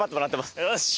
よし！